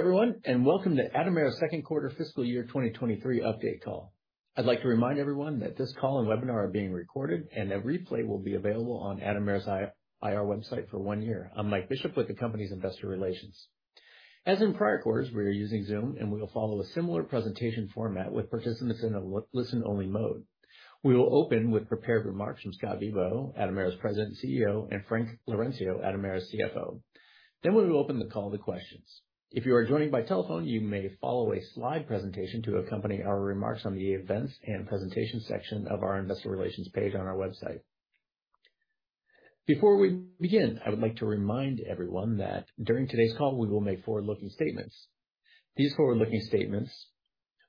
Hello, everyone, welcome to Atomera's Second Quarter Fiscal Year 2023 update call. I'd like to remind everyone that this call and webinar are being recorded, a replay will be available on Atomera's IR website for one year. I'm Mike Bishop with the company's investor relations. As in prior quarters, we are using Zoom, we will follow a similar presentation format with participants in a listen-only mode. We will open with prepared remarks from Scott Bibaud, Atomera's President and CEO, Frank Laurencio, Atomera's CFO. We will open the call to questions. If you are joining by telephone, you may follow a slide presentation to accompany our remarks on the events and presentations section of our investor relations page on our website. Before we begin, I would like to remind everyone that during today's call, we will make forward-looking statements. These forward-looking statements,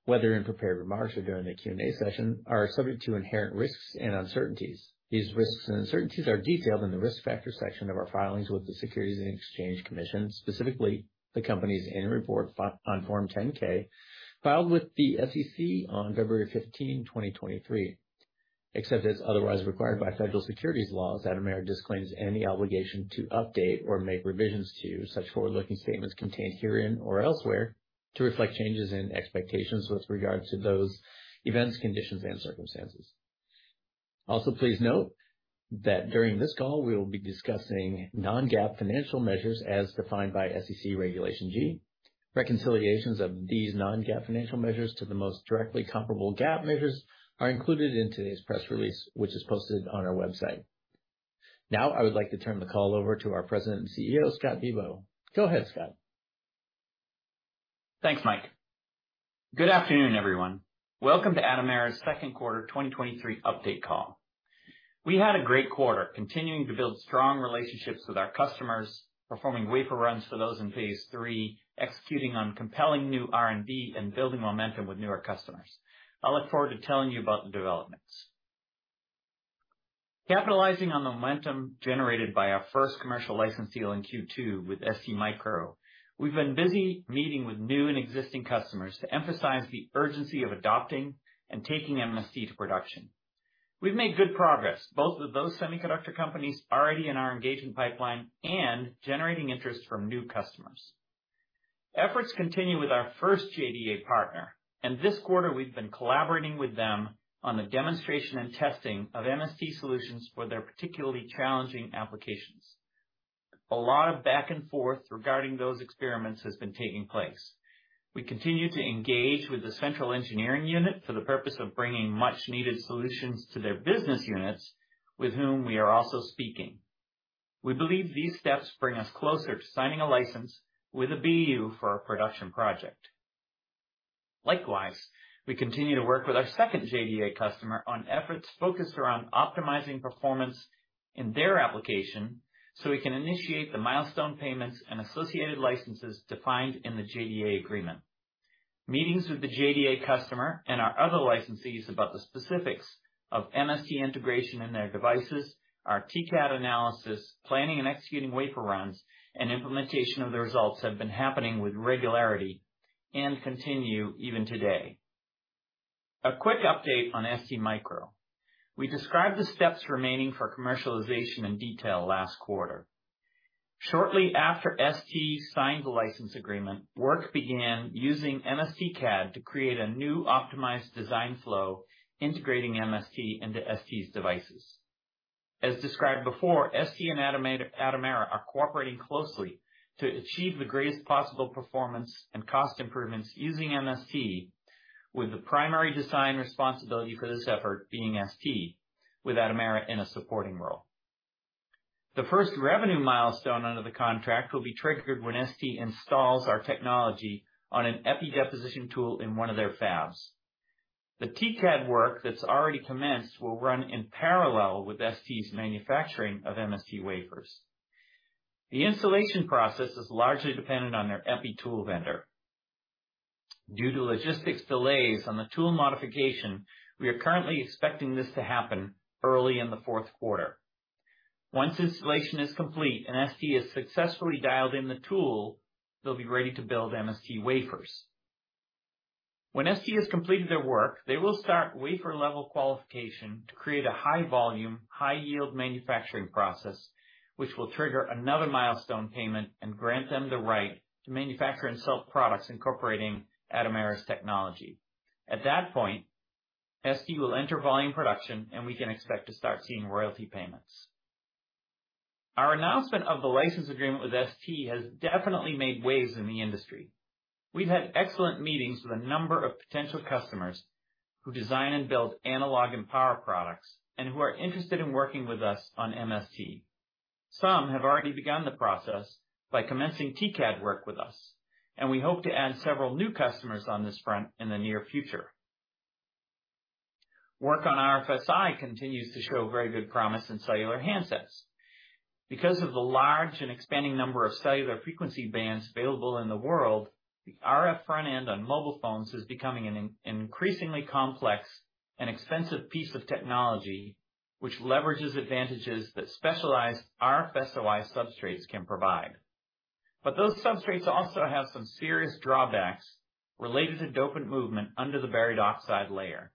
whether in prepared remarks or during the Q&A session, are subject to inherent risks and uncertainties. These risks and uncertainties are detailed in the risk factors section of our filings with the Securities and Exchange Commission, specifically the company's annual report on Form 10-K, filed with the SEC on February 15, 2023. Except as otherwise required by federal securities laws, Atomera disclaims any obligation to update or make revisions to such forward-looking statements contained herein or elsewhere, to reflect changes in expectations with regard to those events, conditions, and circumstances. Also, please note that during this call, we will be discussing non-GAAP financial measures as defined by SEC Regulation G. Reconciliations of these non-GAAP financial measures to the most directly comparable GAAP measures are included in today's press release, which is posted on our website. Now, I would like to turn the call over to our President and CEO, Scott Bibaud. Go ahead, Scott. Thanks, Mike. Good afternoon, everyone. Welcome to Atomera's second quarter 2023 update call. We had a great quarter, continuing to build strong relationships with our customers, performing wafer runs for those in phase III, executing on compelling new R&D and building momentum with newer customers. I look forward to telling you about the developments. Capitalizing on the momentum generated by our first commercial license deal in Q2 with STMicro, we've been busy meeting with new and existing customers to emphasize the urgency of adopting and taking MST to production. We've made good progress, both with those semiconductor companies already in our engagement pipeline and generating interest from new customers. Efforts continue with our first JDA partner. This quarter we've been collaborating with them on the demonstration and testing of MST solutions for their particularly challenging applications. A lot of back and forth regarding those experiments has been taking place. We continue to engage with the central engineering unit for the purpose of bringing much-needed solutions to their business units, with whom we are also speaking. We believe these steps bring us closer to signing a license with a BU for our production project. Likewise, we continue to work with our second JDA customer on efforts focused around optimizing performance in their application, so we can initiate the milestone payments and associated licenses defined in the JDA agreement. Meetings with the JDA customer and our other licensees about the specifics of MST integration in their devices, our TCAD analysis, planning and executing wafer runs, and implementation of the results, have been happening with regularity and continue even today. A quick update on STMicro. We described the steps remaining for commercialization in detail last quarter. Shortly after ST signed the license agreement, work began using MST-CAD to create a new optimized design flow, integrating MST into ST's devices. As described before, ST and Atomera are cooperating closely to achieve the greatest possible performance and cost improvements using MST, with the primary design responsibility for this effort being ST, with Atomera in a supporting role. The first revenue milestone under the contract will be triggered when ST installs our technology on an epi deposition tool in one of their fabs. The TCAD work that's already commenced will run in parallel with ST's manufacturing of MST wafers. The installation process is largely dependent on their epi tool vendor. Due to logistics delays on the tool modification, we are currently expecting this to happen early in the fourth quarter. Once installation is complete and ST has successfully dialed in the tool, they'll be ready to build MST wafers. When ST has completed their work, they will start wafer-level qualification to create a high volume, high yield manufacturing process, which will trigger another milestone payment and grant them the right to manufacture and sell products incorporating Atomera's technology. At that point, ST will enter volume production, and we can expect to start seeing royalty payments. Our announcement of the license agreement with ST has definitely made waves in the industry. We've had excellent meetings with a number of potential customers who design and build analog and power products and who are interested in working with us on MST. Some have already begun the process by commencing TCAD work with us, and we hope to add several new customers on this front in the near future. Work on RF SOI continues to show very good promise in cellular handsets. Because of the large and expanding number of cellular frequency bands available in the world, the RF front-end on mobile phones is becoming an increasingly complex and expensive piece of technology, which leverages advantages that specialized RF SOI substrates can provide. Those substrates also have some serious drawbacks related to dopant movement under the buried oxide layer.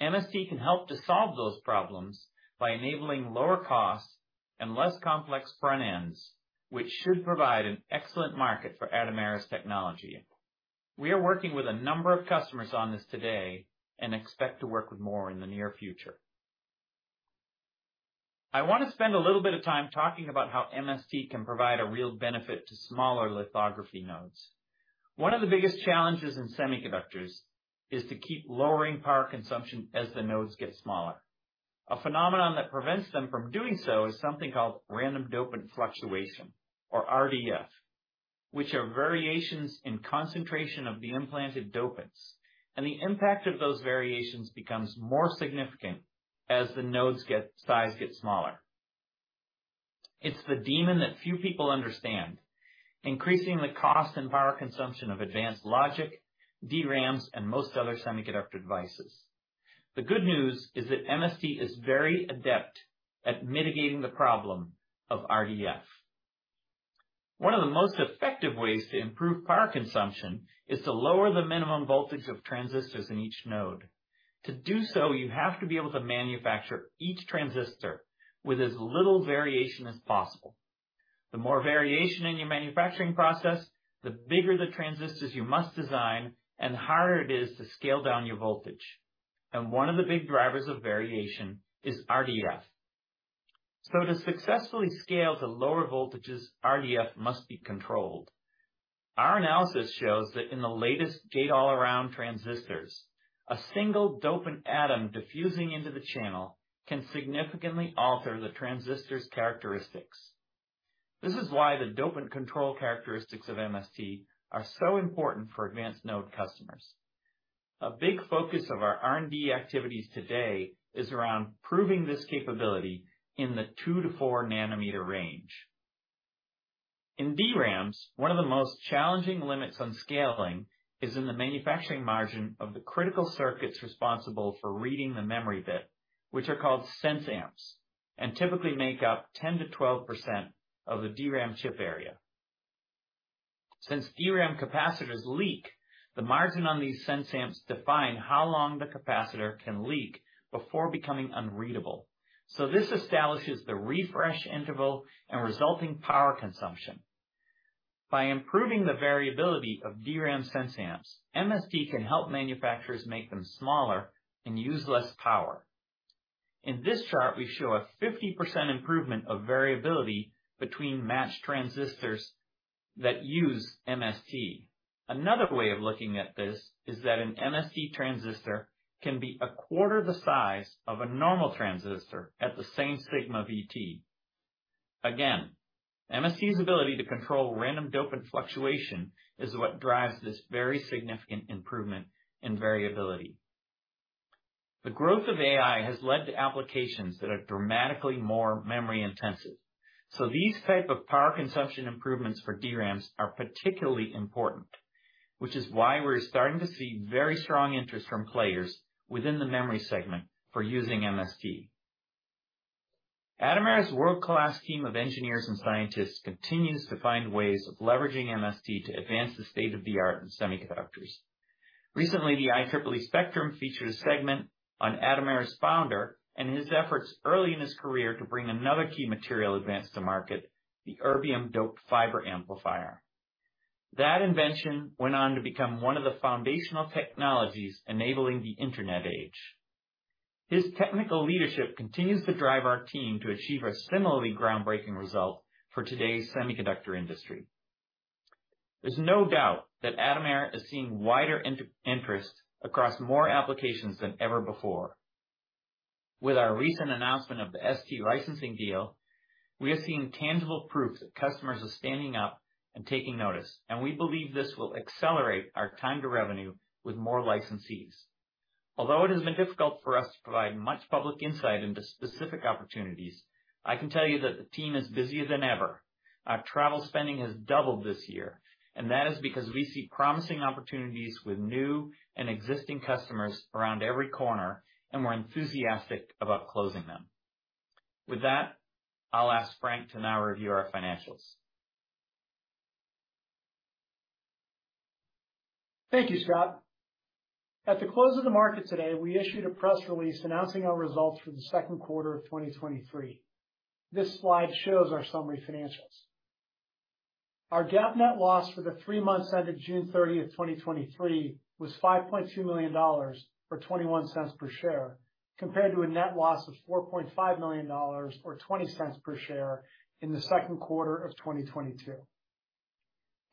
MST can help to solve those problems by enabling lower costs and less complex front ends, which should provide an excellent market for Atomera's technology. We are working with a number of customers on this today and expect to work with more in the near future. I want to spend a little bit of time talking about how MST can provide a real benefit to smaller lithography nodes. One of the biggest challenges in semiconductors is to keep lowering power consumption as the nodes get smaller. A phenomenon that prevents them from doing so is something called Random Dopant Fluctuation, or RDF, which are variations in concentration of the implanted dopants, and the impact of those variations becomes more significant as the nodes get size get smaller. It's the demon that few people understand, increasing the cost and power consumption of advanced logic, DRAMs, and most other semiconductor devices. The good news is that MST is very adept at mitigating the problem of RDF. One of the most effective ways to improve power consumption is to lower the minimum voltage of transistors in each node. To do so, you have to be able to manufacture each transistor with as little variation as possible. The more variation in your manufacturing process, the bigger the transistors you must design and the harder it is to scale down your voltage. One of the big drivers of variation is RDF. To successfully scale to lower voltages, RDF must be controlled. Our analysis shows that in the latest gate-all-around transistors, a single dopant atom diffusing into the channel can significantly alter the transistor's characteristics. This is why the dopant control characteristics of MST are so important for advanced node customers. A big focus of our R&D activities today is around proving this capability in the 2-4 nm range. In DRAMs, one of the most challenging limits on scaling is in the manufacturing margin of the critical circuits responsible for reading the memory bit, which are called sense amps, and typically make up 10%-12% of the DRAM chip area. DRAM capacitors leak, the margin on these sense amps define how long the capacitor can leak before becoming unreadable, so this establishes the refresh interval and resulting power consumption. By improving the variability of DRAM sense amps, MST can help manufacturers make them smaller and use less power. In this chart, we show a 50% improvement of variability between matched transistors that use MST. Another way of looking at this is that an MST transistor can be a quarter the size of a normal transistor at the same sigma VT. Again, MST's ability to control Random Dopant Fluctuation is what drives this very significant improvement in variability. The growth of AI has led to applications that are dramatically more memory intensive. These type of power consumption improvements for DRAMs are particularly important, which is why we're starting to see very strong interest from players within the memory segment for using MST. Atomera's world-class team of engineers and scientists continues to find ways of leveraging MST to advance the state of the art in semiconductors. Recently, the IEEE Spectrum featured a segment on Atomera's founder and his efforts early in his career to bring another key material advance to market, the erbium-doped fiber amplifier. That invention went on to become one of the foundational technologies enabling the internet age. His technical leadership continues to drive our team to achieve a similarly groundbreaking result for today's semiconductor industry. There's no doubt that Atomera is seeing wider interest across more applications than ever before. With our recent announcement of the ST licensing deal, we are seeing tangible proofs that customers are standing up and taking notice. We believe this will accelerate our time to revenue with more licensees. Although it has been difficult for us to provide much public insight into specific opportunities, I can tell you that the team is busier than ever. Our travel spending has doubled this year. That is because we see promising opportunities with new and existing customers around every corner. We're enthusiastic about closing them. With that, I'll ask Frank to now review our financials. Thank you, Scott. At the close of the market today, we issued a press release announcing our results for the second quarter of 2023. This slide shows our summary financials. Our GAAP net loss for the three months ended June 30th, 2023, was $5.2 million, or $0.21 per share, compared to a net loss of $4.5 million, or $0.20 per share in the second quarter of 2022.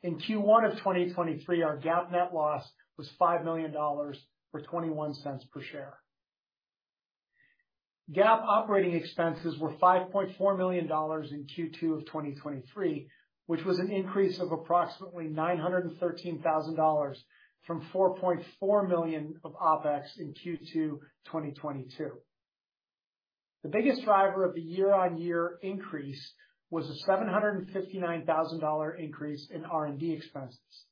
In Q1 of 2023, our GAAP net loss was $5 million or $0.21 per share. GAAP operating expenses were $5.4 million in Q2 of 2023, which was an increase of approximately $913,000 from $4.4 million of OpEx in Q2 2022. The biggest driver of the year-on-year increase was a $759,000 increase in R&D expenses,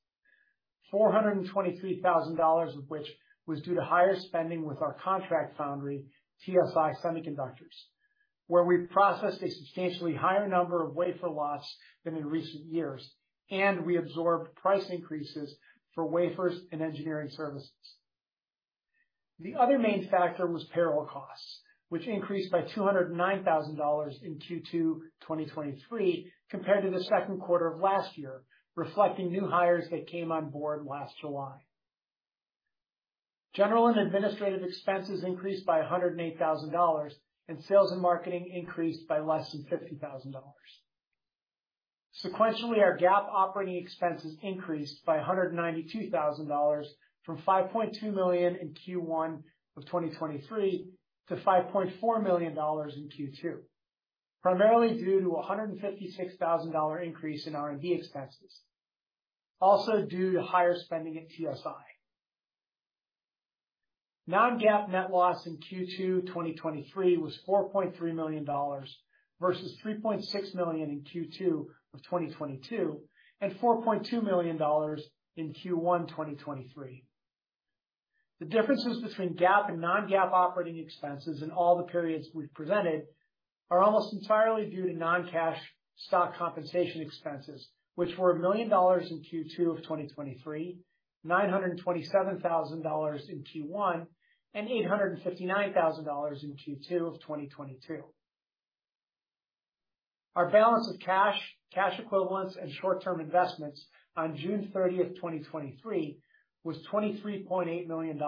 $423,000 of which was due to higher spending with our contract foundry, TSI Semiconductors, where we processed a substantially higher number of wafer lots than in recent years, and we absorbed price increases for wafers and engineering services. The other main factor was payroll costs, which increased by $209,000 in Q2 2023, compared to the second quarter of last year, reflecting new hires that came on board last July. General and administrative expenses increased by $108,000, and sales and marketing increased by less than $50,000. Sequentially, our GAAP operating expenses increased by $192,000 from $5.2 million in Q1 2023 to $5.4 million in Q2, primarily due to a $156,000 increase in R&D expenses, also due to higher spending at TSI. non-GAAP net loss in Q2 2023 was $4.3 million versus $3.6 million in Q2 2022, and $4.2 million in Q1 2023. The differences between GAAP and non-GAAP operating expenses in all the periods we've presented are almost entirely due to non-cash stock compensation expenses, which were $1 million in Q2 2023, $927,000 in Q1, and $859,000 in Q2 2022. Our balance of cash, cash equivalents, and short-term investments on June 30, 2023, was $23.8 million,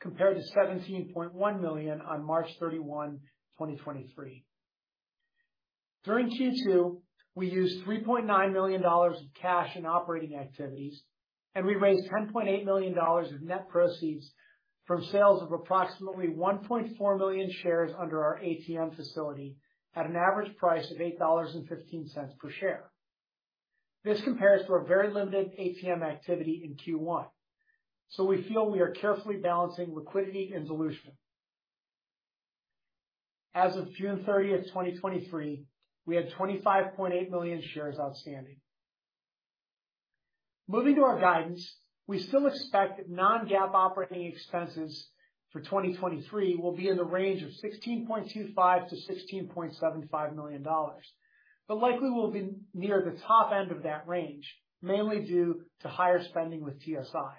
compared to $17.1 million on March 31, 2023. During Q2, we used $3.9 million of cash in operating activities. We raised $10.8 million of net proceeds from sales of approximately 1.4 million shares under our ATM facility at an average price of $8.15 per share. This compares to a very limited ATM activity in Q1. We feel we are carefully balancing liquidity and dilution. As of June 30, 2023, we had 25.8 million shares outstanding. Moving to our guidance, we still expect that non-GAAP operating expenses for 2023 will be in the range of $16.25 million-$16.75 million, but likely will be near the top end of that range, mainly due to higher spending with TSI.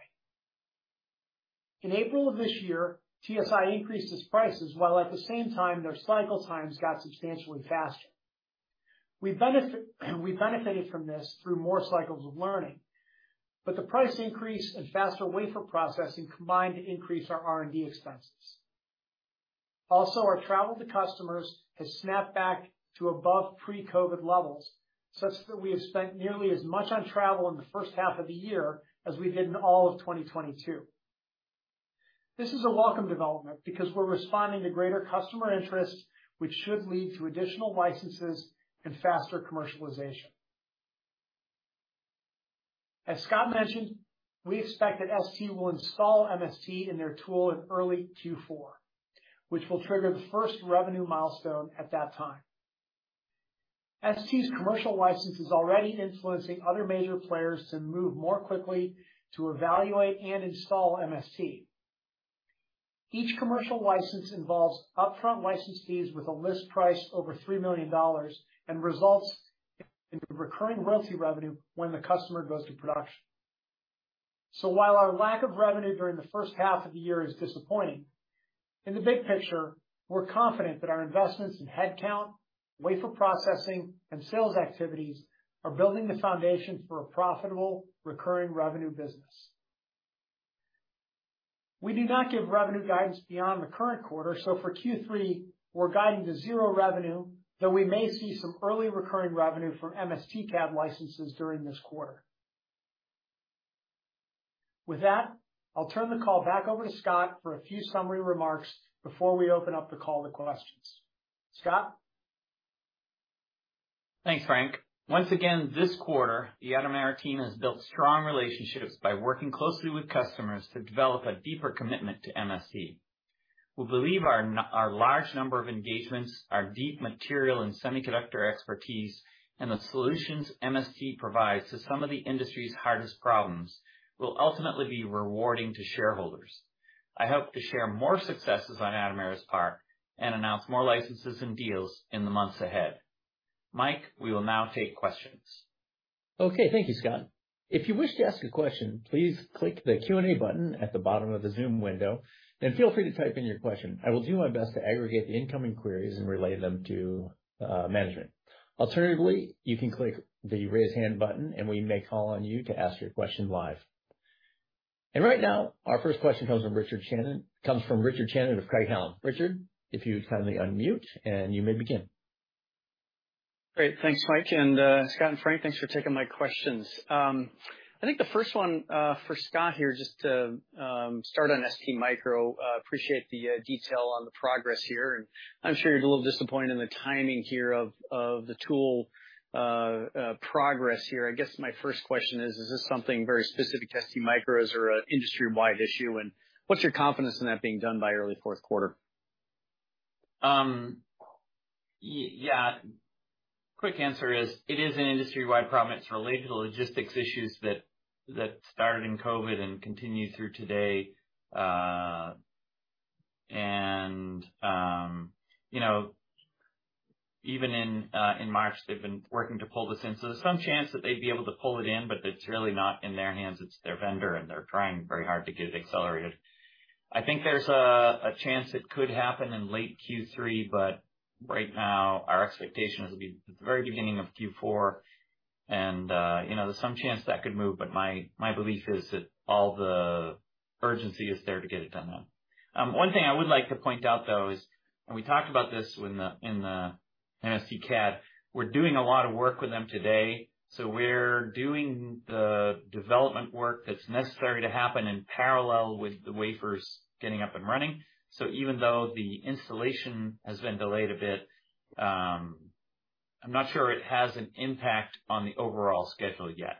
In April of this year, TSI increased its prices, while at the same time, their cycle times got substantially faster. We've benefited from this through more cycles of learning, but the price increase and faster wafer processing combined to increase our R&D expenses. Also, our travel to customers has snapped back to above pre-COVID levels, such that we have spent nearly as much on travel in the first half of the year as we did in all of 2022. This is a welcome development because we're responding to greater customer interest, which should lead to additional licenses and faster commercialization. As Scott mentioned, we expect that ST will install MST in their tool in early Q4, which will trigger the first revenue milestone at that time. ST's commercial license is already influencing other major players to move more quickly to evaluate and install MST. Each commercial license involves upfront license fees with a list price over $3 million and results in recurring royalty revenue when the customer goes to production. While our lack of revenue during the first half of the year is disappointing, in the big picture, we're confident that our investments in headcount, wafer processing, and sales activities are building the foundation for a profitable, recurring revenue business. We do not give revenue guidance beyond the current quarter, so for Q3, we're guiding to zero revenue, though we may see some early recurring revenue from MSTcad licenses during this quarter. With that, I'll turn the call back over to Scott for a few summary remarks before we open up the call to questions. Scott? Thanks, Frank. Once again, this quarter, the Atomera team has built strong relationships by working closely with customers to develop a deeper commitment to MST. We believe our large number of engagements, our deep material and semiconductor expertise, and the solutions MST provides to some of the industry's hardest problems will ultimately be rewarding to shareholders. I hope to share more successes on Atomera's part and announce more licenses and deals in the months ahead. Mike, we will now take questions. Okay. Thank you, Scott. If you wish to ask a question, please click the Q&A button at the bottom of the Zoom window, and feel free to type in your question. I will do my best to aggregate the incoming queries and relay them to management. Alternatively, you can click the Raise Hand button, and we may call on you to ask your question live. And right now, our first question comes from Richard Shannon of Craig-Hallum. Richard, if you'd kindly unmute, and you may begin. Great. Thanks, Mike and Scott and Frank, thanks for taking my questions. I think the first one for Scott here, just to start on STMicro. appreciate the detail on the progress here, and I'm sure you're a little disappointed in the timing here of the tool progress here. I guess my first question is: Is this something very specific to STMicro, or is it an industry-wide issue, and what's your confidence in that being done by early fourth quarter? Yeah. Quick answer is, it is an industry-wide problem. It's related to the logistics issues that started in COVID and continue through today. And, you know, even in March, they've been working to pull this in. There's some chance that they'd be able to pull it in, but it's really not in their hands, it's their vendor, and they're trying very hard to get it accelerated. I think there's a chance it could happen in late Q3, but right now our expectation is it'll be the very beginning of Q4. You know, there's some chance that could move, but my belief is that all the urgency is there to get it done now. One thing I would like to point out, though, is, we talked about this when the, in the MSTcad, we're doing a lot of work with them today, we're doing the development work that's necessary to happen in parallel with the wafers getting up and running. Even though the installation has been delayed a bit, I'm not sure it has an impact on the overall schedule yet.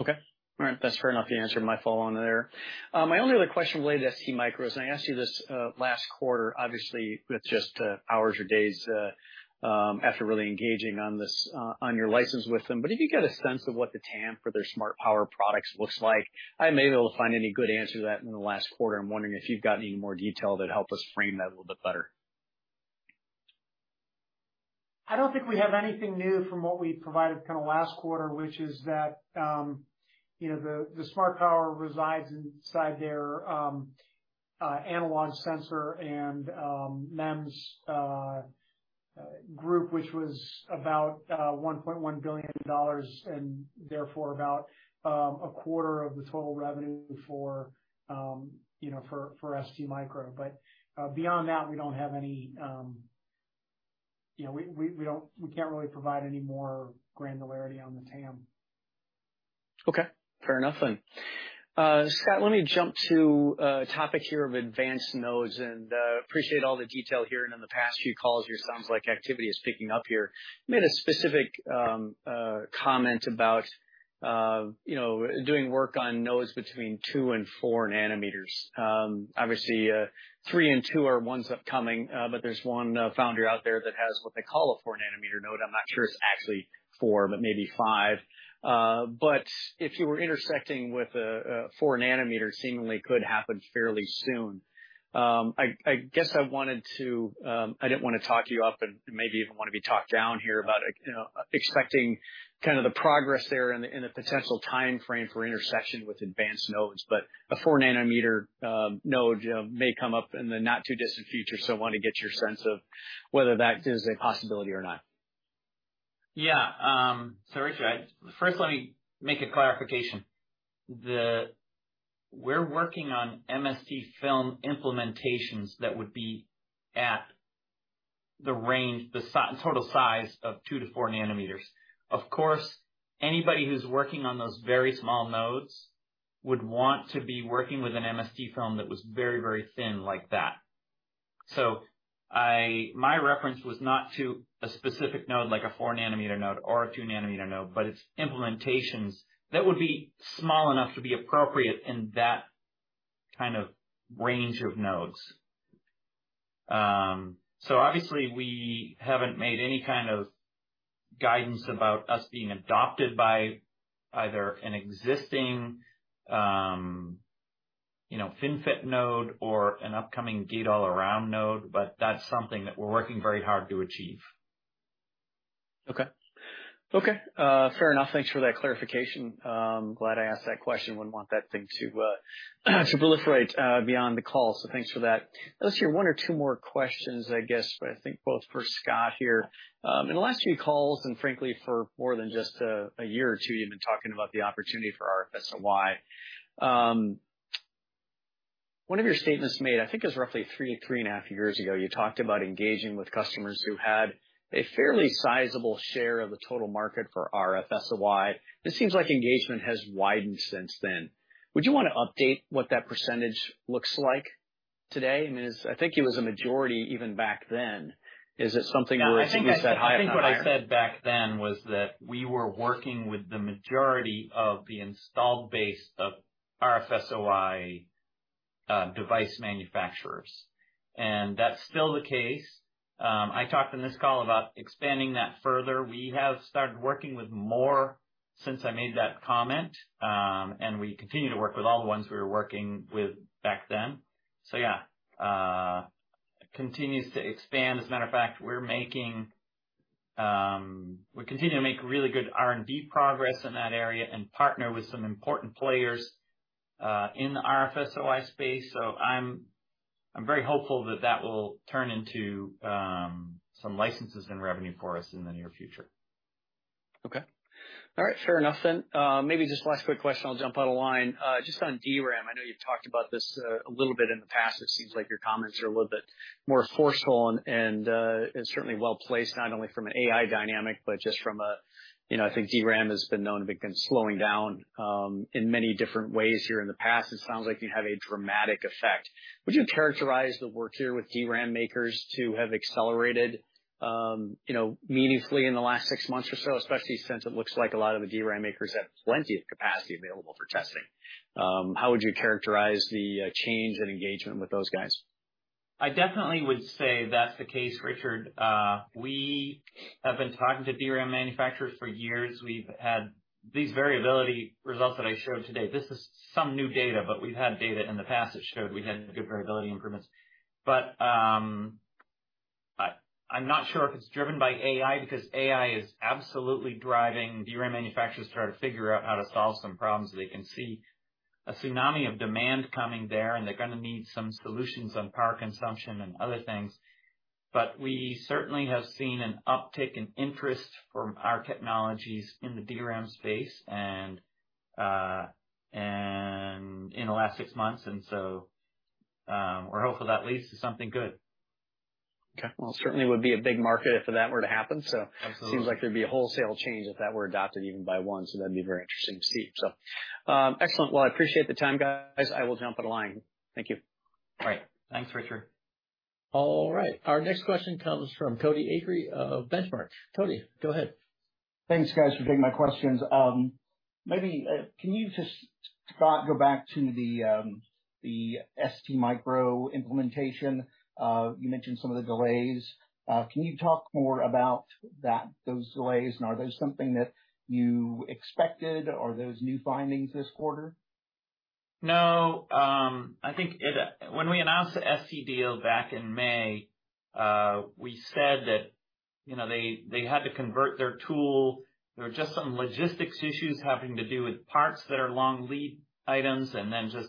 Okay. All right. That's fair enough. You answered my follow on there. My only other question related to STMicro, and I asked you this, last quarter, obviously with just hours or days, after really engaging on this, on your license with them. If you get a sense of what the TAM for their Smart Power products looks like, I may not find any good answer to that in the last quarter. I'm wondering if you've got any more detail that help us frame that a little bit better. I don't think we have anything new from what we provided kind of last quarter, which is that, you know, the, the Smart Power resides inside their, analog sensor and MEMS group, which was about $1.1 billion, and therefore about a quarter of the total revenue for, you know, for, for STMicro. Beyond that, we don't have any. You know, we, we, we don't-- we can't really provide any more granularity on the TAM. Okay, fair enough then. Scott, let me jump to a topic here of advanced nodes, and appreciate all the detail here. In the past few calls, it sounds like activity is picking up here. You made a specific comment about, you know, doing work on nodes between 2 and 4 nm. Obviously, three and two are ones upcoming, but there's one foundry out there that has what they call a 4 nm node. I'm not sure it's actually four, but maybe five. But if you were intersecting with a 4 nm, seemingly could happen fairly soon. I, I guess I wanted to, I didn't want to talk you up and maybe even want to be talked down here about, you know, expecting kind of the progress there and the, and the potential timeframe for intersection with advanced nodes. A 4 nm node may come up in the not too distant future, so want to get your sense of whether that is a possibility or not. Yeah. Richard, first let me make a clarification. We're working on MST film implementations that would be at the range, the total size of 2-4 nm. Of course, anybody who's working on those very small nodes would want to be working with an MST film that was very, very thin like that. My reference was not to a specific node, like a 4 nm node or a 2 nm node, but it's implementations that would be small enough to be appropriate in that kind of range of nodes. Obviously, we haven't made any kind of guidance about us being adopted by either an existing, you know, FinFET node or an upcoming gate-all-around node, but that's something that we're working very hard to achieve. Okay. Okay, fair enough. Thanks for that clarification. Glad I asked that question. Wouldn't want that thing to proliferate beyond the call. Thanks for that. Let's hear one or two more questions, I guess, but I think both for Scott here. In the last few calls, and frankly, for more than just a year or two, you've been talking about the opportunity for RF-SOI. One of your statements made, I think it was roughly three, three and a half years ago, you talked about engaging with customers who had a fairly sizable share of the total market for RF-SOI. This seems like engagement has widened since then. Would you want to update what that percentage looks like today? I mean, I think it was a majority even back then. Is it something where you said higher, not higher? I think what I said back then was that we were working with the majority of the installed base of RF-SOI device manufacturers, and that's still the case. I talked in this call about expanding that further. We have started working with more since I made that comment, and we continue to work with all the ones we were working with back then. Yeah, continues to expand. As a matter of fact, we're making, we continue to make really good R&D progress in that area and partner with some important players in the RF-SOI space. I'm, I'm very hopeful that that will turn into, some licenses and revenue for us in the near future. Okay. All right, fair enough then. Maybe just last quick question, I'll jump on a line. Just on DRAM. I know you've talked about this, a little bit in the past. It seems like your comments are a little bit more forceful and certainly well placed, not only from an AI dynamic, but just from a, you know, I think DRAM has been known to be kind of slowing down, in many different ways here in the past. It sounds like you have a dramatic effect. Would you characterize the work here with DRAM makers to have accelerated, you know, meaningfully in the last 6 months or so? Especially since it looks like a lot of the DRAM makers have plenty of capacity available for testing. How would you characterize the change in engagement with those guys? ... I definitely would say that's the case, Richard. We have been talking to DRAM manufacturers for years. We've had these variability results that I showed today. This is some new data, but we've had data in the past that showed we had good variability improvements. I, I'm not sure if it's driven by AI, because AI is absolutely driving DRAM manufacturers to try to figure out how to solve some problems. They can see a tsunami of demand coming there, and they're gonna need some solutions on power consumption and other things. We certainly have seen an uptick in interest from our technologies in the DRAM space, and in the last six months, we're hopeful that leads to something good. Okay. Well, certainly would be a big market if that were to happen. Absolutely. Seems like there'd be a wholesale change if that were adopted even by one. That'd be very interesting to see. Excellent. Well, I appreciate the time, guys. I will jump on the line. Thank you. All right. Thanks, Richard. All right. Our next question comes from Cody Acree of Benchmark. Cody, go ahead. Thanks, guys, for taking my questions. Maybe, can you just, Scott, go back to the STMicro implementation? You mentioned some of the delays. Can you talk more about that, those delays, and are those something that you expected or are those new findings this quarter? No. I think it... When we announced the ST deal back in May, we said that, you know, they, they had to convert their tool. There were just some logistics issues having to do with parts that are long lead items and then just,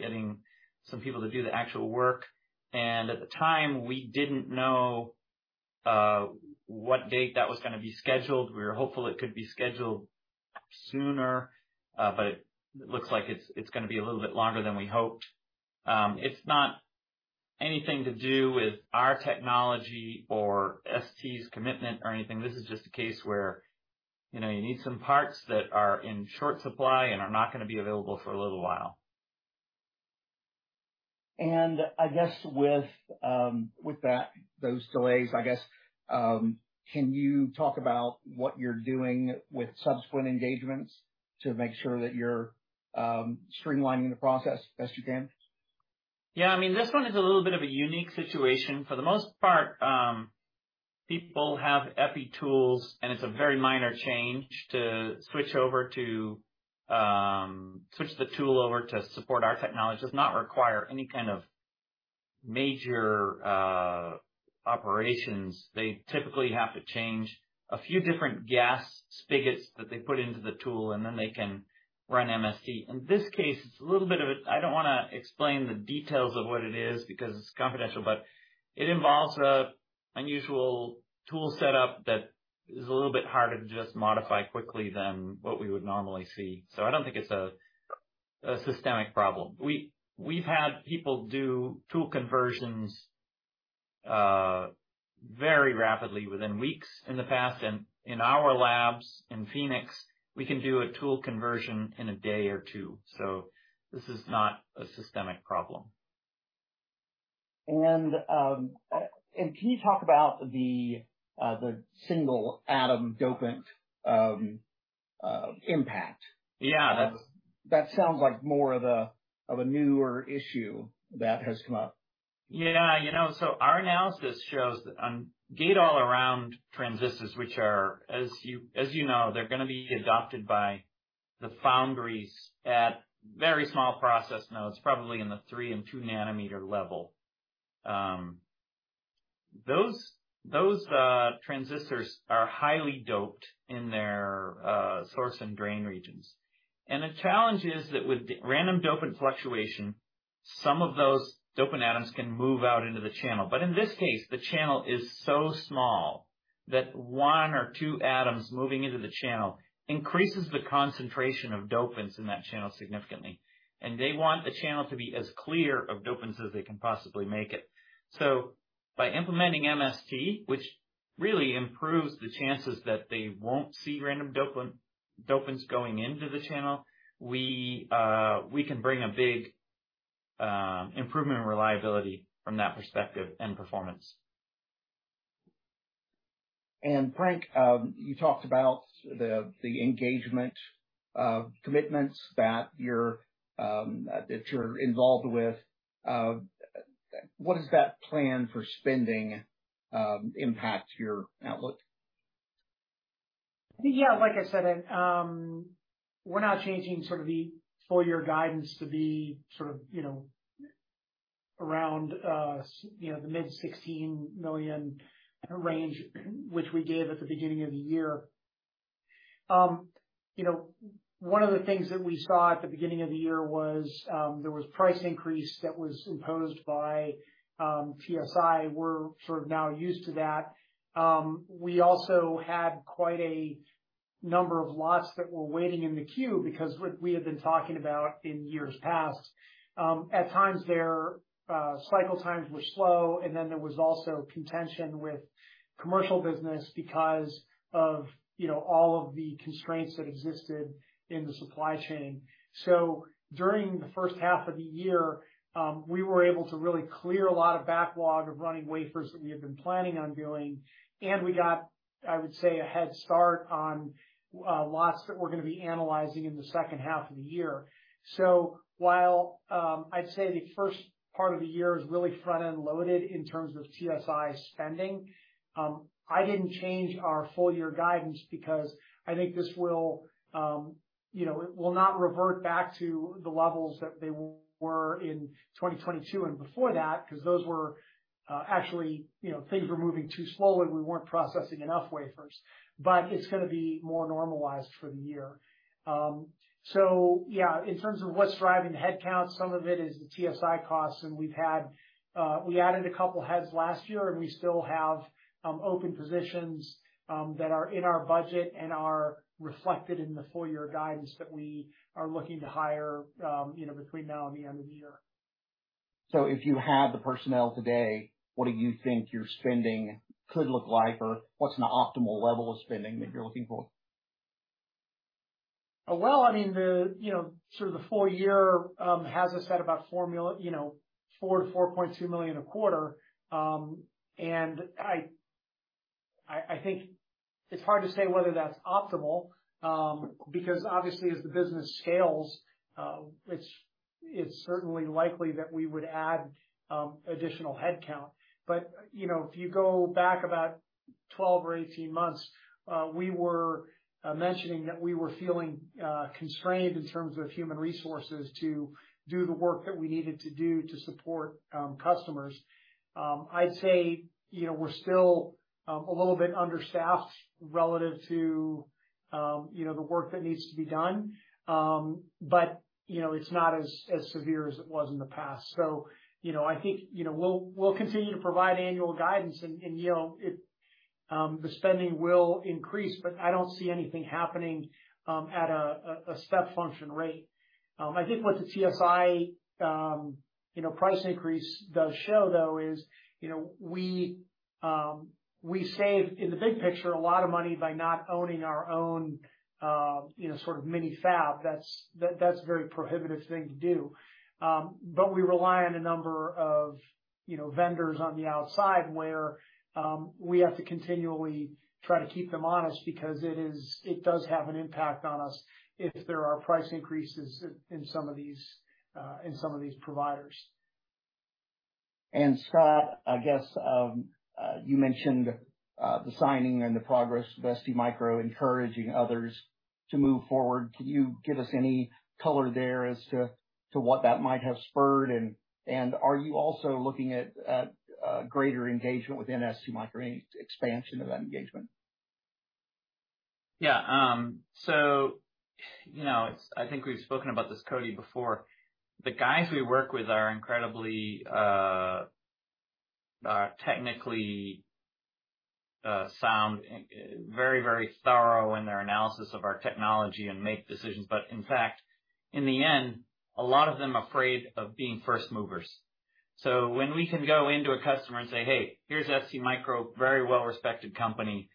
getting some people to do the actual work. At the time, we didn't know, what date that was gonna be scheduled. We were hopeful it could be scheduled sooner, but it looks like it's, it's gonna be a little bit longer than we hoped. It's not anything to do with our technology or ST's commitment or anything. This is just a case where, you know, you need some parts that are in short supply and are not gonna be available for a little while. I guess with, with that, those delays, I guess, can you talk about what you're doing with subsequent engagements to make sure that you're streamlining the process as best as you can? Yeah. I mean, this one is a little bit of a unique situation. For the most part, people have EPI tools, and it's a very minor change to switch over to, switch the tool over to support our technology. Does not require any kind of major operations. They typically have to change a few different gas spigots that they put into the tool, and then they can run MST. In this case, it's a little bit of a. I don't wanna explain the details of what it is, because it's confidential, but it involves a unusual tool setup that is a little bit harder to just modify quickly than what we would normally see. I don't think it's a, a systemic problem. We, we've had people do tool conversions, very rapidly, within weeks in the past, and in our labs in Phoenix, we can do a tool conversion in a day or two, so this is not a systemic problem. Can you talk about the single atom dopant impact? Yeah. That sounds like more of a newer issue that has come up. Yeah. You know, our analysis shows on gate-all-around transistors, which are, as you, as you know, they're gonna be adopted by the foundries at very small process nodes, probably in the 3 and 2 nm level. Those, those transistors are highly doped in their source and drain regions. The challenge is that with random dopant fluctuation, some of those dopant atoms can move out into the channel. In this case, the channel is so small that one or two atoms moving into the channel increases the concentration of dopants in that channel significantly, and they want the channel to be as clear of dopants as they can possibly make it. By implementing MST, which really improves the chances that they won't see random dopant, dopants going into the channel, we can bring a big improvement in reliability from that perspective, and performance. Frank, you talked about the, the engagement, commitments that you're, that you're involved with. What does that plan for spending, impact your outlook? Yeah, like I said, we're not changing sort of the full year guidance to be sort of, you know, around, you know, the mid $16 million range, which we gave at the beginning of the year. You know, one of the things that we saw at the beginning of the year was, there was price increase that was imposed by TSI. We're sort of now used to that. We also had quite a number of lots that were waiting in the queue, because what we have been talking about in years past, at times their cycle times were slow, and then there was also contention with commercial business because of, you know, all of the constraints that existed in the supply chain. During the first half of the year, we were able to really clear a lot of backlog of running wafers that we had been planning on doing, and we got, I would say, a head start on, lots that we're gonna be analyzing in the second half of the year. While, I'd say the first part of the year is really front-end loaded in terms of TSI spending, I didn't change our full year guidance because I think this will, you know, it will not revert back to the levels that they were in 2022 and before that, because those were, actually, you know, things were moving too slowly, we weren't processing enough wafers, but it's gonna be more normalized for the year. Yeah, in terms of what's driving the headcount, some of it is the TSI costs. We've had, we added a couple heads last year, and we still have open positions that are in our budget and are reflected in the full year guidance that we are looking to hire, you know, between now and the end of the year. If you had the personnel today, what do you think your spending could look like? Or what's an optimal level of spending that you're looking for? Well, I mean, the, you know, sort of the full year, has us at about formula, you know, $4 million-$4.2 million a quarter. I, I, I think it's hard to say whether that's optimal, because obviously, as the business scales, which it's certainly likely that we would add additional headcount. You know, if you go back about 12 or 18 months, we were mentioning that we were feeling constrained in terms of human resources to do the work that we needed to do to support customers. I'd say, you know, we're still a little bit understaffed relative to, you know, the work that needs to be done. You know, it's not as, as severe as it was in the past. You know, I think, you know, we'll, we'll continue to provide annual guidance and, and, you know, it, the spending will increase, but I don't see anything happening at a, a, a step function rate. I think what the TSI, you know, price increase does show, though, is, you know, we, we save, in the big picture, a lot of money by not owning our own, you know, sort of mini fab. That's, that's a very prohibitive thing to do. But we rely on a number of, you know, vendors on the outside where, we have to continually try to keep them honest because it is, it does have an impact on us if there are price increases in, in some of these, in some of these providers. Scott, I guess, you mentioned the signing and the progress with STMicro, encouraging others to move forward. Can you give us any color there as to, to what that might have spurred? Are you also looking at, at greater engagement with STMicro, any expansion of that engagement? Yeah, you know, I think we've spoken about this, Cody, before. The guys we work with are incredibly, technically, sound and very, very thorough in their analysis of our technology and make decisions. In fact, in the end, a lot of them are afraid of being first movers. When we can go into a customer and say, "Hey, here's STMicro, very well-respected company,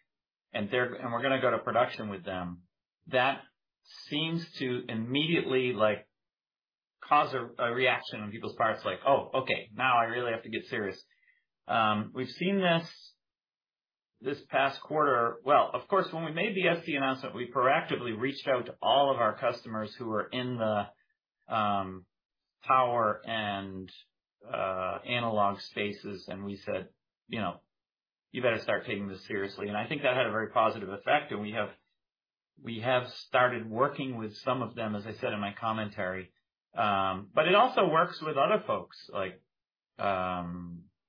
and we're gonna go to production with them," that seems to immediately, like, cause a reaction on people's parts, like: "Oh, okay, now I really have to get serious." We've seen this, this past quarter... Well, of course, when we made the ST announcement, we proactively reached out to all of our customers who were in the power and analog spaces, we said, "You know, you better start taking this seriously." I think that had a very positive effect. We have, we have started working with some of them, as I said in my commentary. It also works with other folks, like,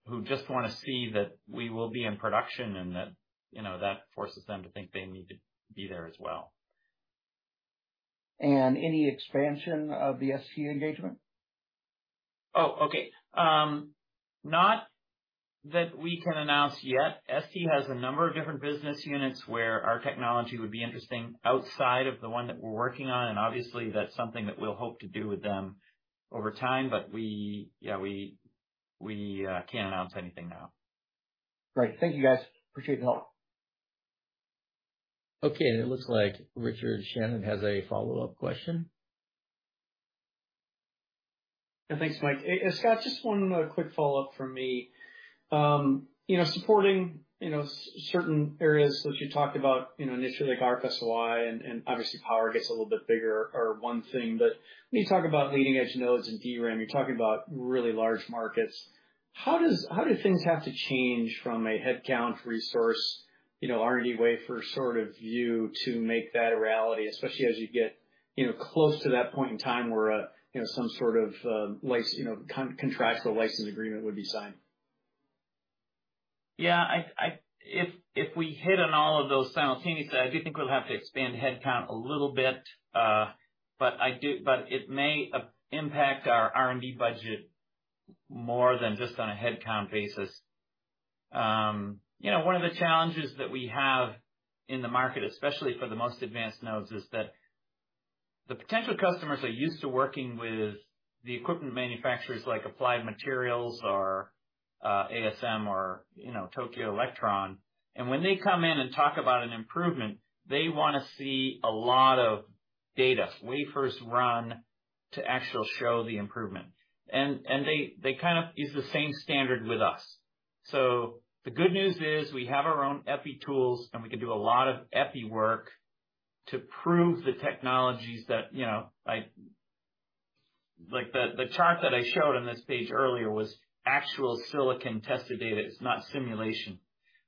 who just want to see that we will be in production and that, you know, that forces them to think they need to be there as well. Any expansion of the ST engagement? Oh, okay. Not that we can announce yet. ST has a number of different business units where our technology would be interesting outside of the one that we're working on, and obviously that's something that we'll hope to do with them over time. We... yeah, we, we, can't announce anything now. Great. Thank you, guys. Appreciate the help. Okay, it looks like Richard Shannon has a follow-up question. Thanks, Mike. Scott, just one quick follow-up from me. You know, supporting, you know, certain areas that you talked about, you know, initially, like RF-SOI and, and obviously power gets a little bit bigger or one thing, but when you talk about leading-edge nodes and DRAM, you're talking about really large markets. How do things have to change from a headcount, resource, you know, R&D wafer sort of view to make that a reality, especially as you get, you know, close to that point in time where, you know, some sort of contractual license agreement would be signed? Yeah, I, I, if, if we hit on all of those simultaneously, I do think we'll have to expand headcount a little bit. But I do-- but it may impact our R&D budget more than just on a headcount basis. You know, one of the challenges that we have in the market, especially for the most advanced nodes, is that the potential customers are used to working with the equipment manufacturers like Applied Materials or ASM or, you know, Tokyo Electron. When they come in and talk about an improvement, they want to see a lot of data, wafers run to actually show the improvement. They use the same standard with us. The good news is, we have our own EPI tools, and we can do a lot of EPI work to prove the technologies that, you know, like the chart that I showed on this page earlier was actual silicon tested data. It's not simulation.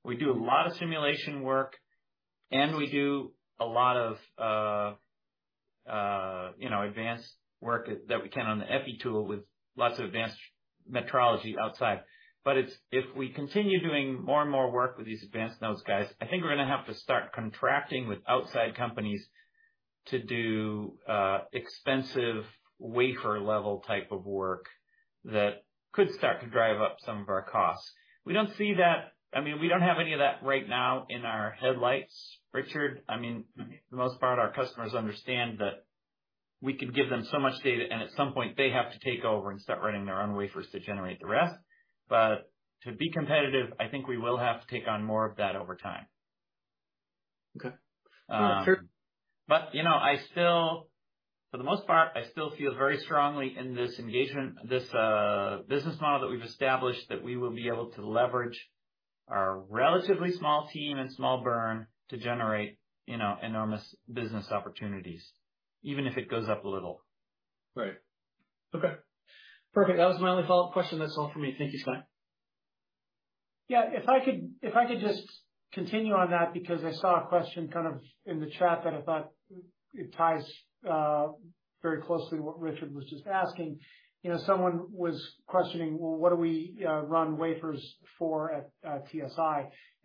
We do a lot of simulation work, and we do a lot of, you know, advanced work that we can on the EPI tool with lots of advanced metrology outside. If we continue doing more and more work with these advanced nodes, guys, I think we're gonna have to start contracting with outside companies to do expensive wafer-level type of work that could start to drive up some of our costs. We don't see that-- I mean, we don't have any of that right now in our headlights, Richard. I mean, for the most part, our customers understand that we can give them so much data. At some point, they have to take over and start running their own wafers to generate the rest. To be competitive, I think we will have to take on more of that over time. Okay, sure. You know, I still, for the most part, I still feel very strongly in this engagement, this business model that we've established, that we will be able to leverage our relatively small team and small burn to generate, you know, enormous business opportunities, even if it goes up a little. Right. Okay, perfect. That was my only follow-up question. That's all for me. Thank you, Scott. Yeah, if I could, if I could just continue on that, because I saw a question kind of in the chat that I thought it ties very closely to what Richard was just asking. You know, someone was questioning, well, what do we run wafers for at TSI?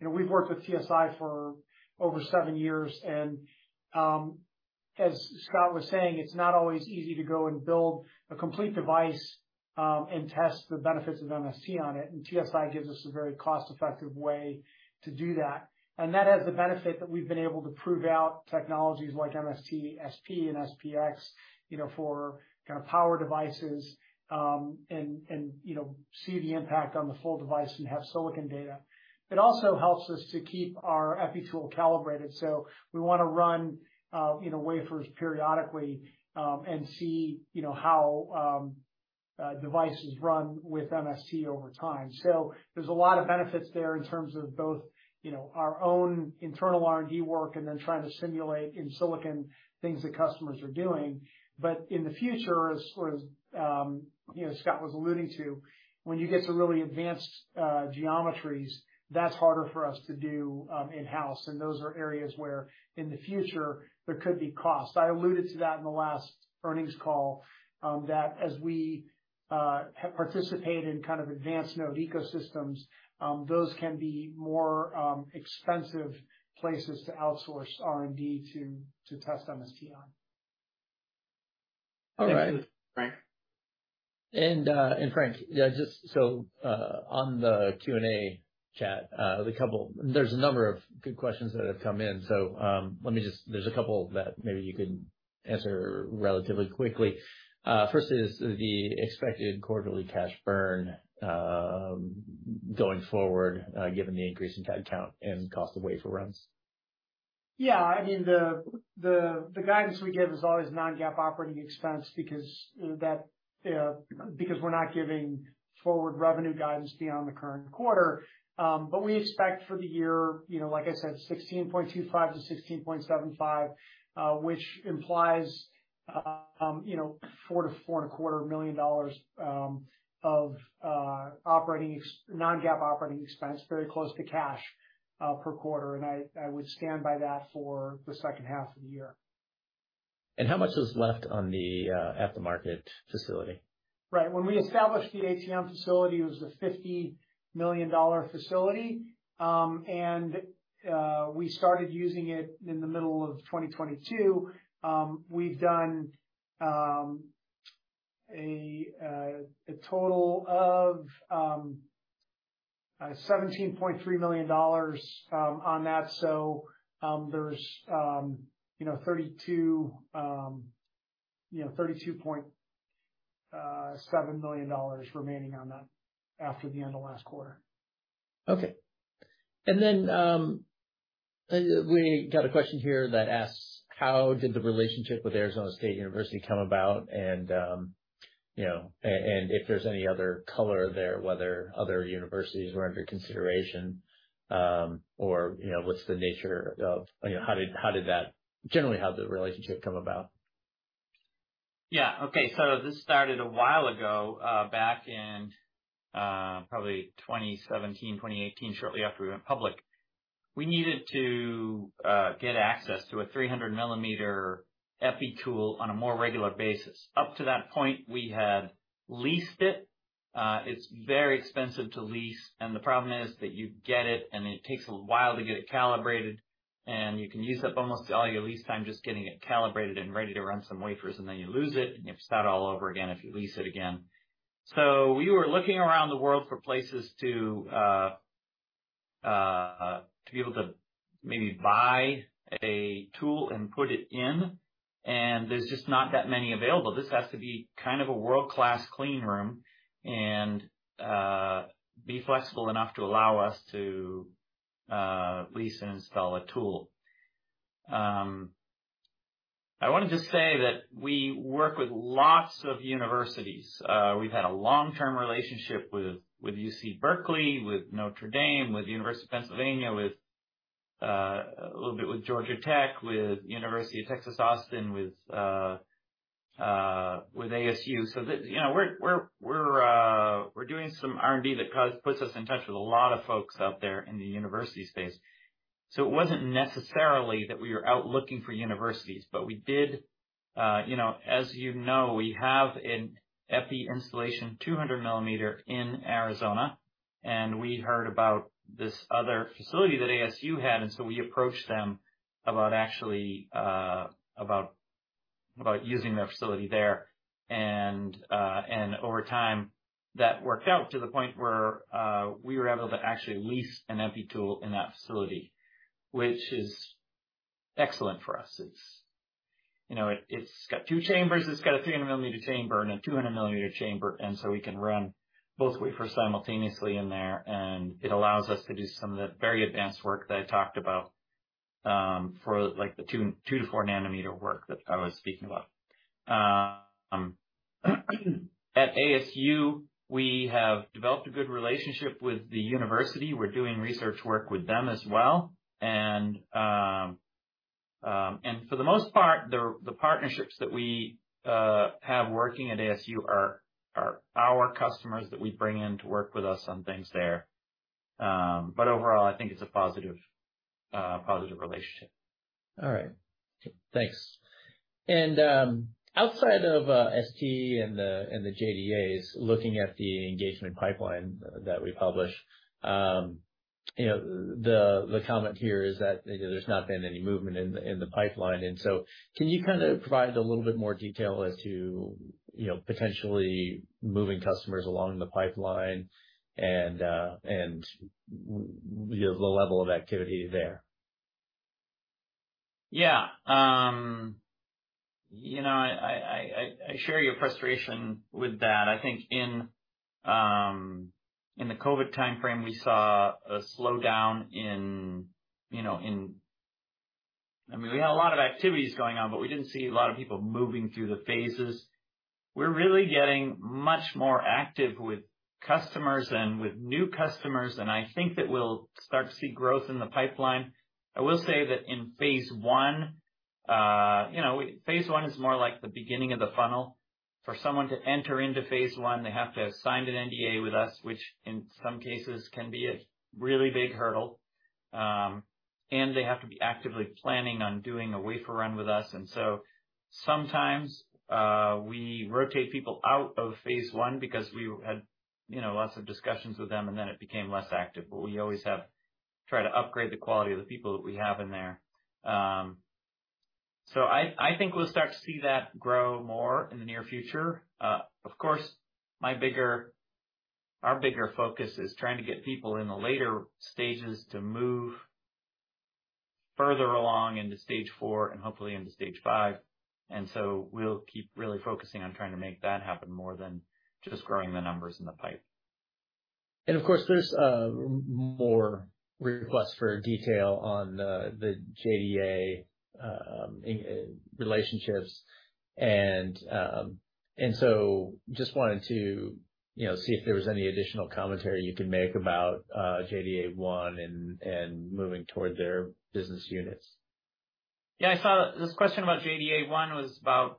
You know, we've worked with TSI for over seven years, and as Scott was saying, it's not always easy to go and build a complete device and test the benefits of MST on it. TSI gives us a very cost-effective way to do that. That has the benefit that we've been able to prove out technologies like MST, SP, and MST-SPX, you know, for kind of power devices, and, you know, see the impact on the full device and have silicon data. It also helps us to keep our EPI tool calibrated. We want to run, you know, wafers periodically, and see, you know, how devices run with MST over time. There's a lot of benefits there in terms of both, you know, our own internal R&D work, and then trying to simulate in silicon things that customers are doing. In the future, as, as, you know, Scott was alluding to, when you get to really advanced geometries, that's harder for us to do in-house, and those are areas where, in the future, there could be costs. I alluded to that in the last earnings call, that as we have participated in kind of advanced node ecosystems, those can be more expensive places to outsource R&D to, to test MST on. All right. Frank. Frank, yeah, just so on the Q&A chat, there's a number of good questions that have come in. Let me just, there's a couple that maybe you can answer relatively quickly. First is the expected quarterly cash burn, going forward, given the increase in head count and cost of wafer runs. Yeah, I mean, the, the, the guidance we give is always non-GAAP operating expense because that because we're not giving forward revenue guidance beyond the current quarter. But we expect for the year, you know, like I said, $16.25 million-$16.75 million, which implies, you know, $4 million-$4.25 million of non-GAAP operating expense, very close to cash per quarter. I, I would stand by that for the second half of the year. How much is left on the at-the-market facility? Right. When we established the ATM facility, it was a $50 million facility. We started using it in the middle of 2022. We've done a total of $17.3 million on that. There's, you know, $32.7 million remaining on that after the end of last quarter. Okay. We got a question here that asks: How did the relationship with Arizona State University come about? you know, and if there's any other color there, whether other universities were under consideration, or, you know, what's the nature of, you know, how did, how did that -- generally, how did the relationship come about? Yeah. Okay. This started a while ago, back in 2017, 2018, shortly after we went public. We needed to get access to a 300 mm EPI tool on a more regular basis. Up to that point, we had leased it. It's very expensive to lease, and the problem is that you get it, and it takes a while to get it calibrated, and you can use up almost all your lease time just getting it calibrated and ready to run some wafers, and then you lose it, and you have to start all over again if you lease it again. We were looking around the world for places to be able to maybe buy a tool and put it in, and there's just not that many available. This has to be kind of a world-class clean room and be flexible enough to allow us to lease and install a tool. I want to just say that we work with lots of universities. We've had a long-term relationship with, with UC Berkeley, with Notre Dame, with University of Pennsylvania, with a little bit with Georgia Tech, with University of Texas at Austin, with, with ASU. You know, we're, we're, we're, we're doing some R&D that puts us in touch with a lot of folks out there in the university space. It wasn't necessarily that we were out looking for universities, but we did, you know, as you know, we have an EPI installation, 200 mm in Arizona, we heard about this other facility that ASU had, we approached them about actually, about using their facility there. Over time, that worked out to the point where we were able to actually lease an EPI tool in that facility, which is excellent for us. It's, you know, it-it's got two chambers. It's got a 300 mm chamber and a 200 mm chamber, we can run both wafers simultaneously in there, and it allows us to do some of the very advanced work that I talked about, for, like, the 2-4 nm work that I was speaking about. At ASU, we have developed a good relationship with the university. We're doing research work with them as well. For the most part, the partnerships that we have working at ASU are our customers that we bring in to work with us on things there. Overall, I think it's a positive, positive relationship. All right. Thanks. Outside of ST and the, and the JDAs, looking at the engagement pipeline that we publish, you know, the, the comment here is that, you know, there's not been any movement in the, in the pipeline. Can you kind of provide a little bit more detail as to, you know, potentially moving customers along the pipeline and the level of activity there? Yeah. You know, I, I, I, I share your frustration with that. I think in, in the COVID timeframe, we saw a slowdown in, you know, I mean, we had a lot of activities going on, but we didn't see a lot of people moving through the phases. We're really getting much more active with customers and with new customers, and I think that we'll start to see growth in the pipeline. I will say that in phase I, you know, phase one is more like the beginning of the funnel. For someone to enter into phase I, they have to have signed an NDA with us, which in some cases can be a really big hurdle. They have to be actively planning on doing a wafer run with us. Sometimes, we rotate people out of phase I because we had, you know, lots of discussions with them, and then it became less active. We always have try to upgrade the quality of the people that we have in there. I, I think we'll start to see that grow more in the near future. Of course, my bigger, our bigger focus is trying to get people in the later stages to move further along into stage four and hopefully into stage five. We'll keep really focusing on trying to make that happen more than just growing the numbers in the pipe. Of course, there's more requests for detail on the JDA relationships. Just wanted to, you know, see if there was any additional commentary you can make about JDA 1 and moving toward their business units. Yeah, I saw this question about JDA one was about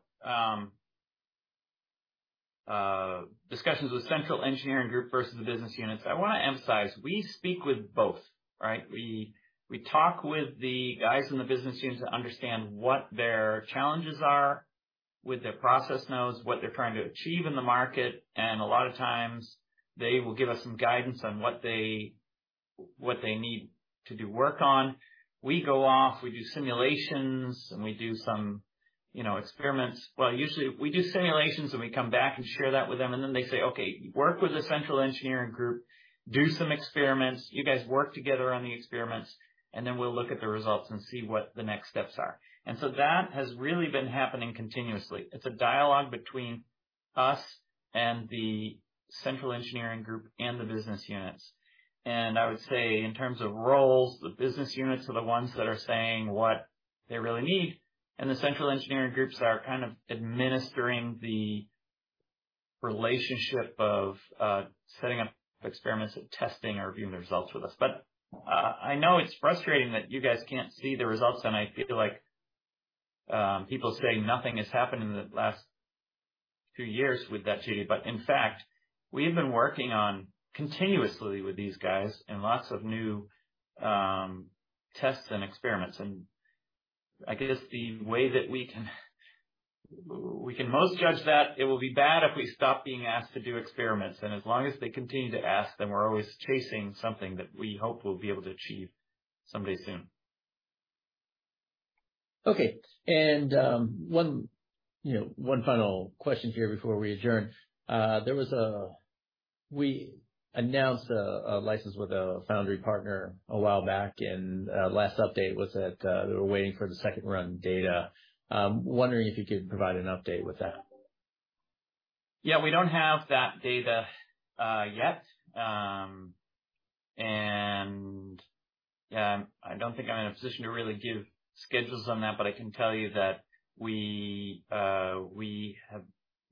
discussions with central engineering group versus the business units. I want to emphasize, we speak with both, right? We, we talk with the guys in the business units to understand what their challenges are, with their process nodes, what they're trying to achieve in the market, and a lot of times they will give us some guidance on what they, what they need to do work on. We go off, we do simulations, and we do some, you know, experiments. Well, usually we do simulations, and we come back and share that with them, and then they say, "Okay, work with the central engineering group, do some experiments. You guys work together on the experiments, and then we'll look at the results and see what the next steps are." That has really been happening continuously. It's a dialogue between us and the central engineering group and the business units. I would say in terms of roles, the business units are the ones that are saying what they really need, and the central engineering groups are kind of administering the relationship of setting up experiments and testing or reviewing the results with us. I know it's frustrating that you guys can't see the results, and I feel like people say nothing has happened in the last two years with that JDA, but in fact, we've been working on continuously with these guys and lots of new tests and experiments. I guess the way that we can, we can most judge that it will be bad if we stop being asked to do experiments. As long as they continue to ask, then we're always chasing something that we hope we'll be able to achieve someday soon. Okay. 1, you know, 1 final question here before we adjourn. We announced a, a license with a foundry partner a while back, and last update was that we're waiting for the second run data. Wondering if you could provide an update with that? Yeah, we don't have that data, yet. I don't think I'm in a position to really give schedules on that, but I can tell you that we have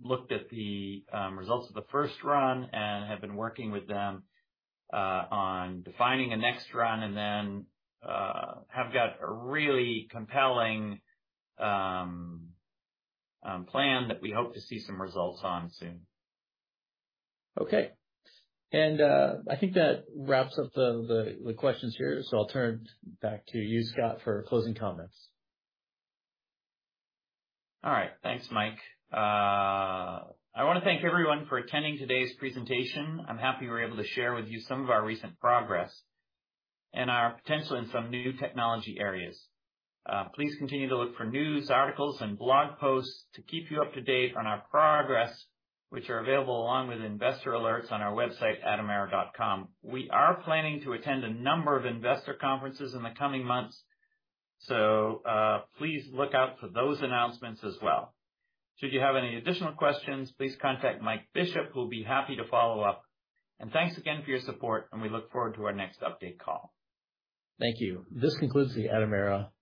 looked at the results of the first run and have been working with them on defining a next run and then have got a really compelling plan that we hope to see some results on soon. Okay. I think that wraps up the, the, the questions here. I'll turn it back to you, Scott, for closing comments. All right. Thanks, Mike. I want to thank everyone for attending today's presentation. I'm happy we were able to share with you some of our recent progress and our potential in some new technology areas. Please continue to look for news, articles, and blog posts to keep you up to date on our progress, which are available along with investor alerts on our website, atomera.com. We are planning to attend a number of investor conferences in the coming months, so, please look out for those announcements as well. Should you have any additional questions, please contact Mike Bishop, who'll be happy to follow up. Thanks again for your support, and we look forward to our next update call. Thank you. This concludes the Atomera webinar.